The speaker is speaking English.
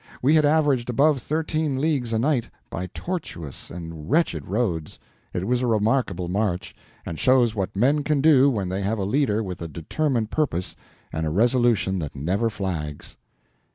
We had averaged above thirteen leagues a night, by tortuous and wretched roads. It was a remarkable march, and shows what men can do when they have a leader with a determined purpose and a resolution that never flags.